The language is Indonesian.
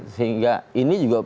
sehingga ini juga